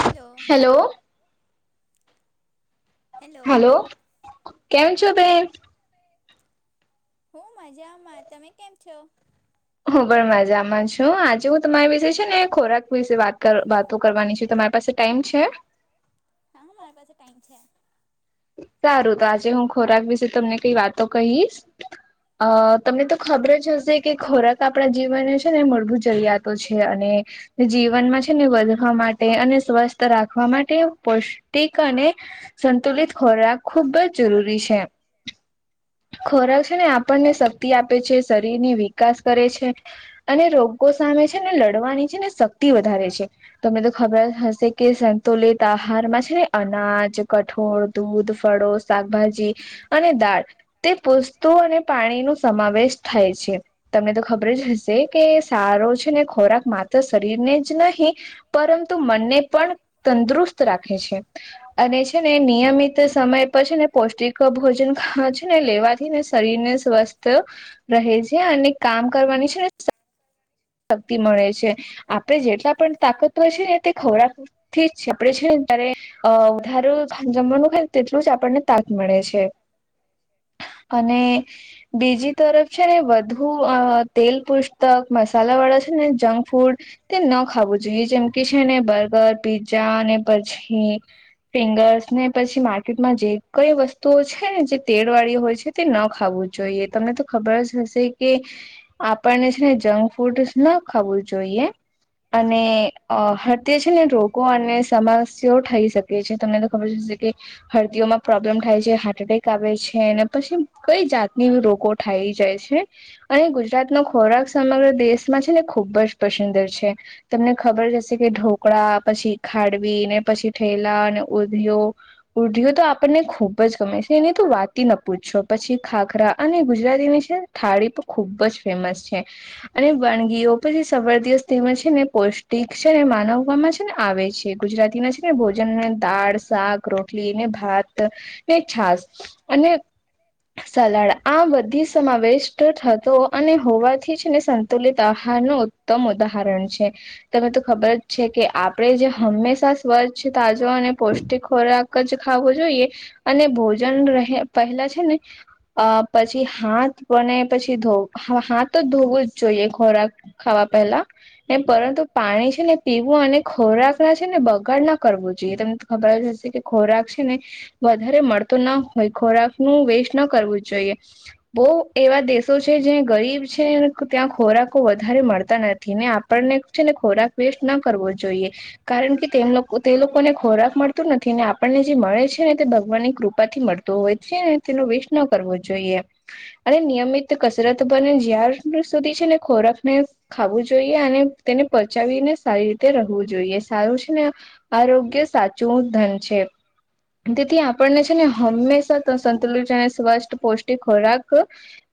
Hello hello hello hello કેમ છો બેન હું મજામાં તમે કેમ છો હું પણ મજામાં છું આજે હું તમારી વિશે છે ને ખોરાક વિશે વાત વાતો કરવાની છું તમારી પાસે ટાઈમ છે હા હું મારી પાસે ટાઈમ છે સારું તો આજે હું ખોરાક વિશે તમને કઈ વાતો કહીશ અ તમને તો ખબર જ હશે કે ખોરાક આપણા જીવન છે ને મળવું જરિયાત તો છે અને જીવનમાં છે ને વધવા માટે અને સ્વસ્થ રાખવા માટે પૌષ્ટિક અને સંતુલિત ખોરાક ખુબ જ જરૂરી છે ખોરાક છે ને આપણને શક્તિ આપે છે શરીર ની વિકાસ કરે છે અને રોગો સામે છે ને લડવાની છે ને શક્તિ વધારે છે તમને તો ખબર હશે કે સંતુલિત આહારમાં છે ને અનાજ કઠોળ દૂધ ફળોશ શાકભાજી અને દાળ તે પસ્તુ અને પાણી ન સમાવેશ થાય છે તમને તો ખબર જ હશે કે સારો છે ને ખોરાક માત્ર શરીરને જ નહીં પરંતુ મનને પણ તંદુરસ્ત રાખે છે અને છે ને નિયમિત સમય પર છે ને પૌષ્ટિક ભોજન ખ છે ને લેવાથી ને શરીર ને સ્વસ્થ રહે છે અને કામ કરવાની છે ને શક્તિ મળે છે આપડણે જેટલા પણ તાકતવ છે ને તે ખવરા થી જ છે આપડે છે ને ત્યારે ઉધારો જમવાનું ખાય તેટલું જ આપણને તાક મળે છે અને બીજી તરફ છે ને વધુ અ તેલ પુસ્તક મસ્ તલાવાડ છે ને જંકફૂડ તે ન ખાવું જોઈએ જેમ કે છે ને બર્ગર, પીઝ્ઝાને પછી ફિંગર્સને પછી માર્કેટમાં જે કઈ વસ્તુઓ છેને જે તેડવાળી હોય છે. તે ન ખાવું જોઈએ તમને તો ખબર જ હશે કે આપણને છે ને જંક ફૂડ્સ ન ખાવું જોઈએ. અને અ હાથે છે ને રોગો અને સમસ્યાઓ થઈ શકે. કે છે તમને તો ખબર જ હશે કે હળતીઓમાં પ્રોબ્લેમ થાય છે, હાર્ટ એટેક આવે છે પછી કઈ જાતની રોગો થાઈ જાય છે અને ગુજરાતનો ખોરાક સમગ્ર દેશમાં છે ને ખુબ જ પસંદ છે. તમને ખબર જશે કે ઢોકળા પછી ખાડવીને પછી ઠેલા અને ઉધયો ઉઢયો તો આપણને ખૂબ જ ગમે છે એને તું વાતી ન પૂછશો પછી ખાખરા અને ગુજરાતીને છે થાળી પણ ખૂબ જ ફેમસ છે. અને વાનગીઓ પછી જે સફળ દિવસ એમાં છે ને પૌષ્ટિક છે ને માનવવામાં છે ને આવે છે ગુજરાતીને ભોજન દાળ શાક રોટલીને ભાતને છાસ. અને સલાડ આ બધી સમાવેશ તો થતો અને હોવાથી છે ને સંતુલિત આહારનું ઉત્તમ ઉદાહરણ છે. તને તો ખબર જ છે કે આપણેે જે હંમેશા સ્વચ્છ, તાજો અને પૌષ્ટિક ખોરાક ક જ ખાવો જોઈએ. અને ભોજન રહે પહેલા છે ને અ પછી હાથ બને પછી ધો હા હાથ તો ધોવું જ જોઈએ ખોરાક ખાવા પહેલાં. ને પરંતુ પાણી છે ને પીવું અને ખોરાકના છે ને બગાડ ના કરવું જોઈએ તમને તો ખબર જ હશે કે ખોરાક છે ને વધારે મળતો ના હોય ખોરાકનું વેસ્ટ ન કરવું જોઈએ. બો એવા દેશો છે જે ગરીબ છે. ત્યાં ખોરાકો વધારે મળતા નથી ને આપણને છે ને ખોરાક વેસ્ટ ના કરવો જોઈએ. કારણ કે તે લોકોને ખોરાક મળતો નથી ને આપણને જે મળે છે ને તે ભગવાનની કૃપાથી મળે. હોય છે ને તેનો વેસ્ટ ન કરવો જોઈએ અને નિયમિત કસરત કને જ્યાર સુધી છે ને ખોરાકને ખાવું જોઈએ અને તેને પચાવીને સારી રીતે રહવું જોઈએ સારું છે ને આરોગ્ય સાચું ધન છે. તેથી આપણને છે ને હંમેશા સંતુલિત અને સ્વષ્ટ પૌષ્ટિક ખોરાક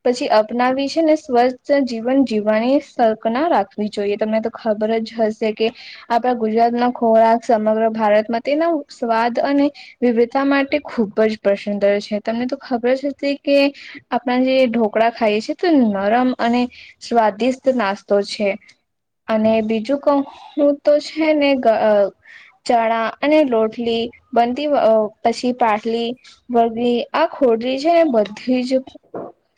પછી અપનાવી છે ને સ્વસ જીવન જીવવાની શકના રાખવી જોઈએ તમને તો ખબર જ હશે કે આપણા ગુજરાતના ખોરાક સમગ્ર ભારતમાં તેનો સ્વાદ અને વિવિધતા માટે ખૂબ જ પસંદ છે તમને તો ખબર જ હશે કે આપણા જે ઢોકળા ખાઈએ છીએ તો નરમ અને સ્વાદિષ્ટ નાસ્તો છે. અને બીજું કહું તો તો છે ને ક ચણા અને લોટલી બનતી અ પછી પાટલી વળગી આ ખોડી છે ને બધી જ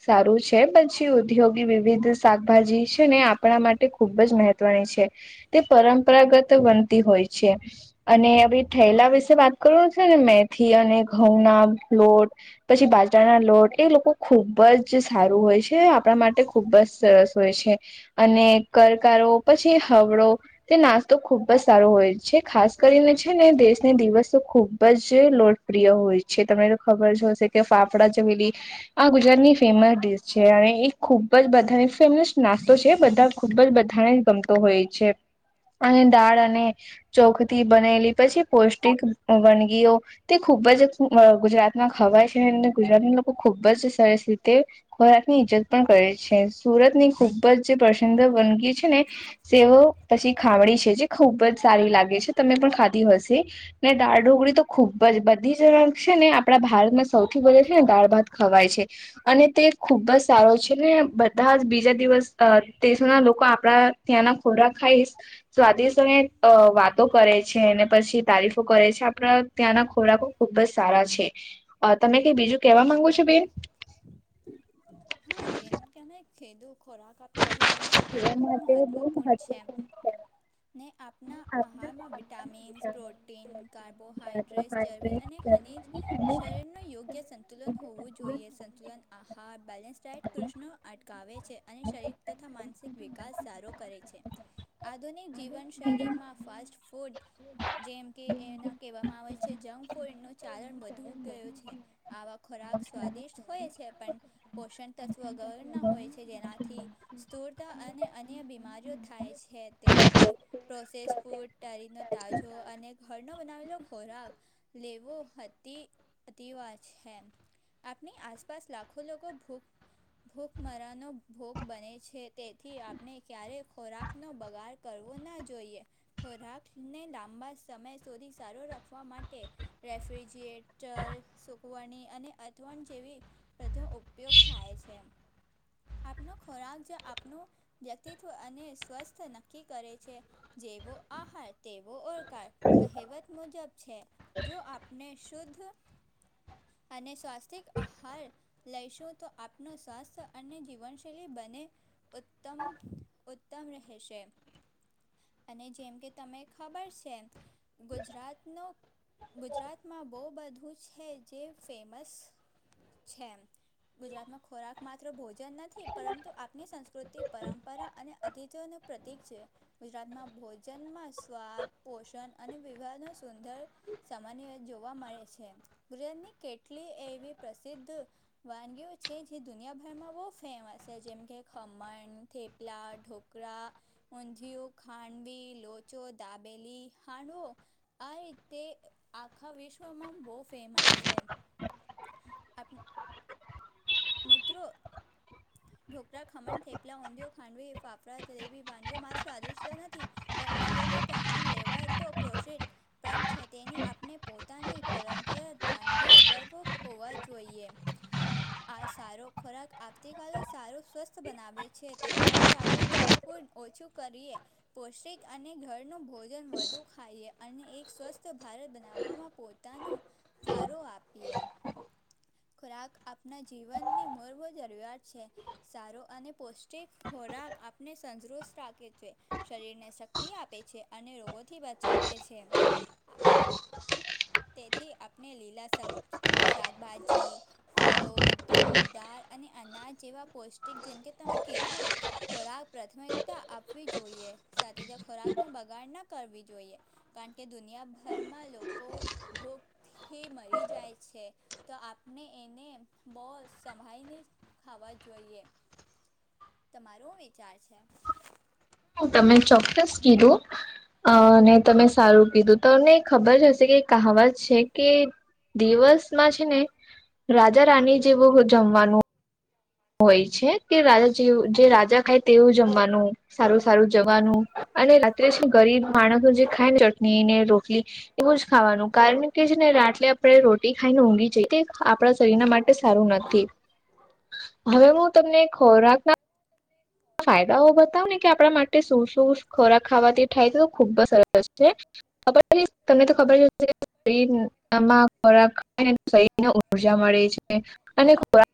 સારું છે પછી ઉદ્યોગ ને વિવિધ શાકભાજી શે ને આપણા માટે ખૂબ જ મહત્વની છે. તે પરંપરાગત બનતી હોય છે. અને અભી થેલા વિશે વાત કરવાનું છે ને મેથી અને ઘઉંના લોટ પછી બાજરાના લોટ એ લોકો ખુબ જ સારું હોય છે આપણા માટે ખૂબ જ સરસ હોય છે અને કરકારો પછી હવડો તે નાસ્તો ખૂબ જ સારો હોય છે ખાસ કરીને છે ને દેશને દિવસો ખૂબ જ લો પ્રિય હોય છે તમને તો ખબર જ હશે કે ફાફડા જબેલી આ ગુજરાત ની ફેમસ ડીશ છે અને એ ખુબ બજ વધારે ફેમસ નાસ્તો છે બધા ખૂબ જ બધાને ગમતો હોય છે. અને દાળ અને ચોખથી બનેલી પછી પૌષ્ટિક વનગીઓ તે ખૂબ જ અ ગુજરાતમાં ખવાય છે ગુજરાત લોકો ખુબ જ સરસ રીતે ખોરાક ની ઈજ્જત પણ કરે છે સુરતની ખુબ જ જે પ્રસિધ્ધ વનગી છે ને તેઓ પછી ખમણી છે જે ખૂબ જ સારી લાગે છે તમે પણ ખાધી હશે. ને દાળઢોકળી તો ખૂબ જ બધી જગ્યા છે ને આપડા ભારતમાં સૌથી વધધે છે ને દાળ ભાત ખવાય છે અને તે ખુબ જ સારો છે. એને બધા જ બીજા દિવસ અ દેશ ના લોકો આપડા ત્યાં ના ખોરાક ખાઈશ સ્વાદિય અને અ વાતો કરે છે અનેને પછી તારીફો કરે છે આપરા ત્યાંના ખોરાકો ખુબ જ સારા છે તમે કઈ બીજું કેવા માંગો છો? બેન હા જેમ કે અમે ખેતુ ખોરાક કાપના જીવન માટે જીવન બહુ માટે બહુ મહત્વપૂર્ણ છે. મહત્વપૂર્ણ છે ને આપના આપના તમામ આહારમાં vitamins, vitamin protein, protein carbohydrates, ચરબી કાર્બોહાઈડ્રેટ અને ચરબી ખનીજ અનેક જીવન શરીરનું યોગ્ય સંતુલન હોવું જોઈએ સંતુલન આહાર બેલેન્સ ચેટ કૃષ્ણ અટકાવે છે અને શરીર તથા માનસિક વિકાસ સારો કરે છે. આધુનિક જીવનશૈલીમાં ફાસ્ટફૂડ જેમ કે એના કેવામાં આવે છે જંક ફૂડ નુ ચલણ વધી ગયું છે. આવા ખોરાક સ્વાદિષ્ટ હોય છે પણ પોષણ તત્વગણના હોય છે જેનાથી સ્થૂળતા અને અન્ય બીમારીઓ થાય છે તેથી પ્રોસેસ ફૂડ, તરીનો તાજો અને ઘરનો બનાવેલો ખોરાક લેવું અતિ અતિવાત છે. આપની આસપાસ લાખો લોકો ભુખ ભૂખમરાનો ભોગ બને છે તેથી આપણે ક્યારેય ખોરાકનો બગાડ કરવો ના જોઈએ ખોરાકને લાંબા સમય સુધી સારો રાખવા માટે રેફ્રિજરેટર, સુકવણી અને આથવણ જેવી બધો ઉપયોગ થાય છે આપનો ખોરાક જે આપનો વ્યક્તિત્વ અને સ્વસ્થ નક્કી કરે છે જેવો આહાર તેવો ઓ કાળ કહેવત મુજબ છે જો આપણે શુદ્ધ અને સ્વાસ્થિક આહાર લઈશું તો આપ નું સ્વાસ્થ્ય અને જીવનશૈલી બને ઉત્તમ ઉત્તમ રહેશે અને જેમ કે તને ખબર છે ગુજરાતનો ગુજરાતમાં બહુ બધું છે જે ફેમસ છે ગુજરાતમાં ખોરાક માત્ર ભોજન નથી પરંતુ આપણી સંસ્કૃતિ પરંપરા અને અતિથિઓનું પ્રતિક છે ગુજરાતમાં ભોજનમાં સ્વાદ પોષણ અને વિવાદનું સુંદર સામાન્ય જોવા મળે છે ગુજરાતની કેટલી એવી પ્રસિદ્ધ વાનગીઓ છે જે દુનિયાભરમાં બહુ ફેમસ છે જેમકે ખમણ થેપલા ઢોકળા ઉંધિયું ખાનવી લોચો દાબેલી હાંડવો આ રીતે આખા વિશ્વમાં બો ફેમસ છે આપ મિત્રો ઢોકળા ખમણ થેપલા ઊંધિયો ખાંડવી ફાફડા જલેબી વાનગીઓ મા સ્વાદિષ્ટ નથી પણ તે યોગ્ય પ્રમાણ લેવાય તો [unintelligible] પણ છે તેની આપણે પોતાની પરંપરાત વાનગીઓ ગર્વ હોવા જોઈએ આ સારો ખોરાક આવતીકાલ સારું સ્વસ્થ બનાવે છે તેથી ચાલો જંંગ પણૂ ઓછું કરીએ પૌષ્ટિક અને ઘરનું ભોજન વધુ ખાઈએ અને એક સ્વસ્થ ભારત બનાવવામાં પોચ પોતાનો ફરોો આપીએ ખોરાક આપણા જીવનની મૂળબો જરૂરિયાત છે સારો અને પૌષ્ટિક ખોરાક આપને તંદુરુસ્ત રાખે છે શરીરને શક્તિ આપે છે અને રોગોથી બચાવે છે [inaudible] તેથી આપણે લીલા શબ શાકભાજી ફળો દૂધ દાળ અને અનાજ જેવા પૌષ્ટિક જેમકે તમે કીધું ખોરાક પ્રાથમિકતા આપવી જોઈએ સાથે જ ખોરાકનો બગાડ ના કરવી જોઈએ કારણ કે દુનિયાભરમાં લોકો ભૂખથી મરી જાય છે તો આપણે એને બહુ સંભાળીને ખાવા જોઈએ તમારો વિચાર છે હું તમે ચોક્કસ કીધું અ અને તમે સારું કીધું તમને ખબર જ હશે કે કાવત છે કે દિવસમાં છે ને રાજા રાની જેવું જમવાનું હોય છે કે રાજા જે જે રાજા ખાય તેવું જમવાનું સારું સારું જવાનું અને રાત્રે છે ગરીબ માણસો જે ખાય ને ચટણીને રોટલી એવું જ ખાવાનું કારણ કે છે ને રાતલે આપણે રોટી ખાઈને ઊંઘી જાયએ આપણા શરીરના માટે એ સારું નથી હવે હું તમને ખોરાક ના ફાયદાઓ બતાવ ને કે આપણા માટે શું શું ખોરાક ખાવાથી થાય છે તો ખુબ સરસ છે ખબર તમને તો ખબર જ શરીરમાં ખોરાક શ ઉર્જા મળે છે અને ખોરાક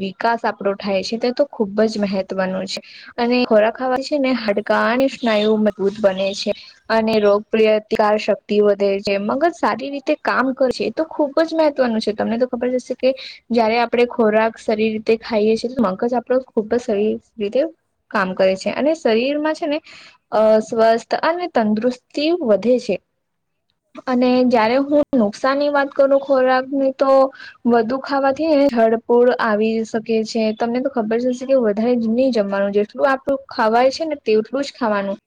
વિકાસ આપણો થાય છે તે તો ખુબ જ મહત્વનું છે અને ખોરાક ખાવા છે ને હાડકા અને સ્નાયુ મજબૂત બને છે અને રોગપ્રતિકાર શક્તિ વધે છે મગજ સારી રીતે કામ કરશે તો ખૂબ જ મહત્વનું છે તમને તો ખબર જશે કે જયારે આપડે ખોરાક સારી રીતે ખાઈએ છીએ મગજ આપડો ખૂબ જ સારી રીતે કામ કરે છે અને શરીરમાં છે ને અ સ્વસ્થ અને તંદુરસ્તી વધે છે અને જયારે હું નુકસાન ની વાત કરું ખોરાકની તો વધુ ખાવાથીને જડપૂર [unintelligible] આવી શકે છે તમને તો ખબર જ કે વધારે નહી જમવાનું જેટલું આપડું ખાવાય છે ને તેટલું જ ખાવાનું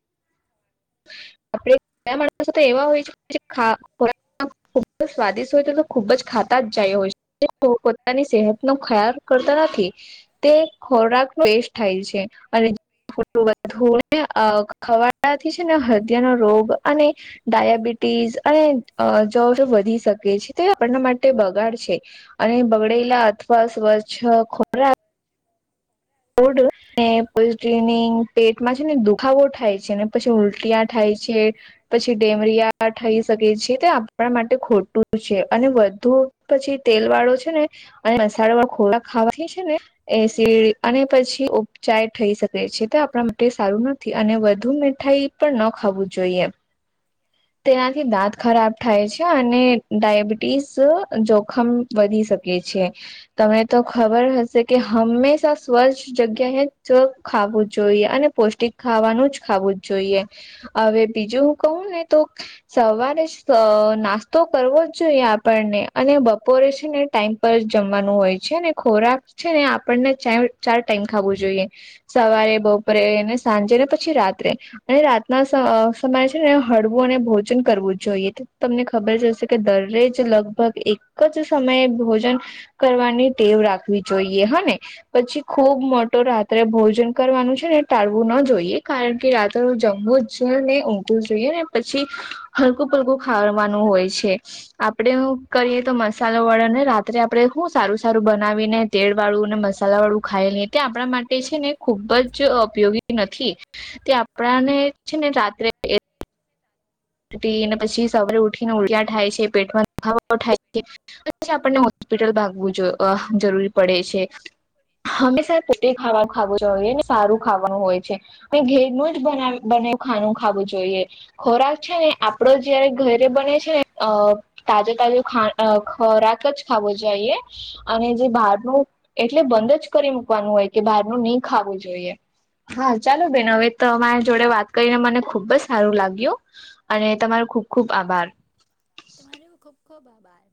આપડયા માણસ તો એવા હોય છે કે જેા [unintelligible] ખૂબ જ સ્વાદિષ્ટ હોય તો ખુબ જ ખાતા જાય હોય છે પોતાની સેહતનો ખ્યાલ કરતા નથી તે ખોરાક વેસ્ટ થાય છે અને થોડું [inaudible] [unintelligible] બધું ખવાડવાથી છે ને હૃદયનોો રોગ અને ડાયાબિટીસ અને [inaudible] જરો વધી શકે છે તે આપણના માટે બગાડ છે અને બગડેલા અથવા સ્વચ્છ ખોરાક ઓડું ને પછીનિંગ પેટમાં છે ને દુખાવો થાય છે ને પછી ઉલટિયા થાય છે પછી ડેમરિયા થઈ શકે છે તે આપણા માટે ખોટું છે અને વધુ પછી તેલ વાળો છે ને અને મસાાલો વાળો ખોરાક ખાવાથી છે ને એસીડ અને પછી ઉપચાય થઈ શકે છે તે આપણા માટે સારું નથી અને વધુ મીઠાઈ પણ ન ખાવું જોઈએ તેનાથી દાંત ખરાબ થાય છે અને ડાયાબિટી ટીસ જોખમ વધી શકે છે તને તો ખબર હશે કે હંમેશા સ્વચ્છ જગ્યાએ ખાવું જોઈએ અને પૌષ્ટિક ખાવાનું જ ખાવું જ જોઈએ હવે બીજું હું કહું ને તો સવારે જ નાસ્તો કરવો જ જોઈએ આપણને અને બપોરે છે ને ટાઈમ પર જ જમવાનું હોય છે અને ખોરાક છે ને આપણને ચ ચાર ટાઈમ ખાવું જોઈએ સવારે બપોરેને સાંજે ને પછી રાત્રે અને રાતના સમય છે ને હળવું અને ભોજન કરવું જોઈએ તો તમને ખબર જ હશે કે દરે જ લગભગ એક કજ સમયે ભોજન કરવાની ટેવ રાખવી જોઈએ હા ને પછી ખુબ મોટો રા ભોજન કરવાનું છે ને ટાળવું ના જોઈએ કારણ કે રાત્ર જમવું જ છે ને ઊંટું જોઈએ ને પછી હલકું પલકું ખાવાનું હોય છે આપડે કરીએ તો મસાલો વળા ને રાત્રે આપડે હું સારું સારું બનાવીને તેળ વાળું અને મસાલા વાળું ખાયલી તે આપણા માટે છે ને ખૂબ જ ઉપયોગી નથી તે આપણાને છે ને રાત્રે ને પછી સવારે ઉઠી ને ઉલટીયા થાય છે પેટમાં દુખાવા થાય છે અચ્છા પણ ને હોસ્પિટલ ભાગવું જરૂરી પડે છે હંમેશા પોતે ખાવાનું ખાવું જો હોઈએ ને સારું ખાવાનું હોય છે ઘેર નું જ બના બનેવું ખાનું ખાવું જોઈએ ખોરાક છે ને આપડો જયારે ઘરે બને છે ને અ તાજુ તાજું ખોરાક જ ખાવ જઈએ અને જે બહાર ન એટલે બંધ જ કરી મૂકવાનું હોય કે બહારનું ની ખાવું જોઈ હા ચાલો બેન હવે તમારી જોડે વાત કરીને મને ખુબ જ સારું લાગ્યું અને તમારો ખુબ ખુબ આભાર તમારો ખૂબ ખૂબ આભાર